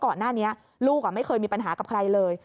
ก่อนหน้านี้ลูกไม่เคยมีปัญหากับใครเลย